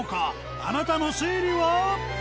あなたの推理は？